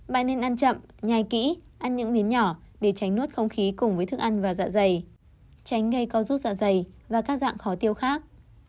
bạn nên ăn chậm nhài kỹ ăn những miếng nhỏ để tránh nuốt không khí cùng với thức ăn và dạ dày tránh gây con rút dạ dày và các dạng khó tiêu khác